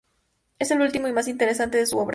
Es el último y más interesante de su obra.